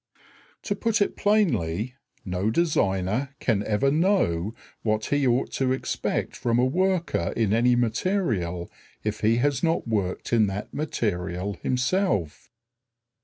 To put it plainly, no designer can ever know what he ought to expect from a worker in any material if he has not worked in that material himself.